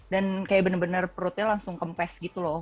dan benar benar perutnya langsung kempes